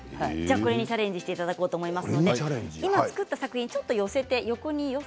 これにチャレンジしていただきます。